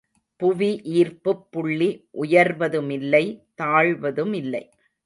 புவி ஈர்ப்புப் புள்ளி உயர்வதுமில்லை தாழ்வதுமில்லை.